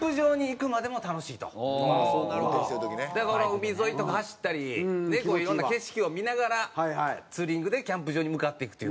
海沿いとか走ったりこう色んな景色を見ながらツーリングでキャンプ場に向かっていくという。